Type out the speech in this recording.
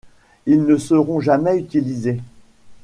Ils ne seront jamais utilisés.